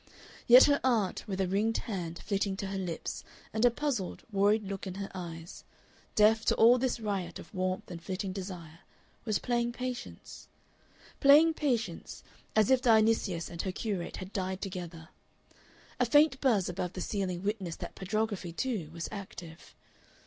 Yet her aunt, with a ringed hand flitting to her lips and a puzzled, worried look in her eyes, deaf to all this riot of warmth and flitting desire, was playing Patience playing Patience, as if Dionysius and her curate had died together. A faint buzz above the ceiling witnessed that petrography, too, was active.